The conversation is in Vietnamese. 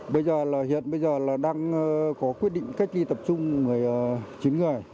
bây giờ là hiện đang có quy định cách ly tập trung